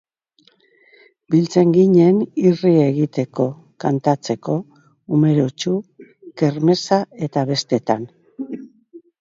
Biltzen ginen irri egiteko, kantatzeko, umoretsu, kermeza eta bestetan.